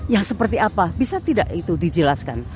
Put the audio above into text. yang seperti apa bisa tidak itu dijelaskan